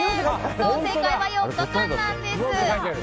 そう、正解は４日間なんです。